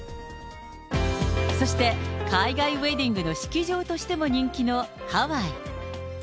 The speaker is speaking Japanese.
そして、海外ウエディングの式場としても人気のハワイ。